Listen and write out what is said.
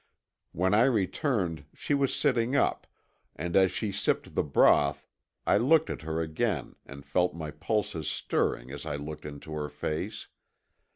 When I returned she was sitting up, and as she sipped the broth I looked at her again and felt my pulses stirring as I looked into her face.